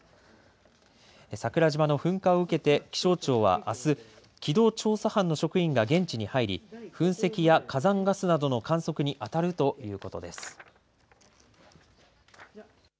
桜島の噴火を受けて気象庁は、あす、調査班の職員が現地に入り噴石や火山ガスなどの観測に当たるということです。